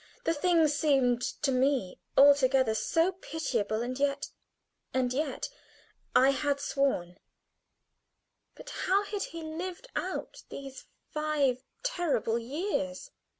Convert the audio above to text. The thing seemed to me altogether so pitiable and yet and yet, I had sworn. But how had he lived out these five terrible years?